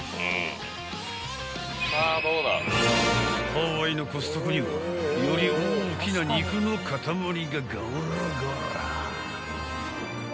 ［ハワイのコストコにはより大きな肉の塊がごろごろ］